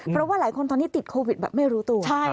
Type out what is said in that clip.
เพราะว่าหลายคนตอนนี้ติดโควิดแบบไม่รู้ตัว